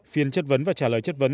phiên chất vấn và trả lời chất vấn